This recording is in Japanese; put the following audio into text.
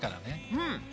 うん！